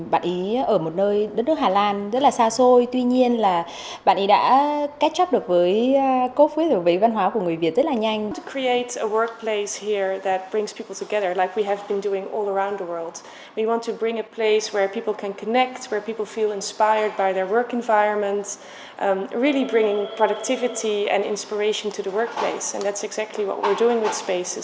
bạn ấy ở một nơi đất nước hà lan rất là xa xôi tuy nhiên là bạn ấy đã catch up được với cố phối về văn hóa của người việt rất là nhanh